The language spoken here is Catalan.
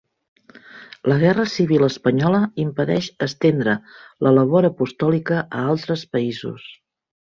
La guerra civil espanyola impedeix estendre la labor apostòlica a altres països.